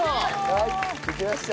はいできました。